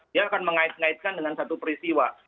dia akan mengait ngaitkan dengan satu peristiwa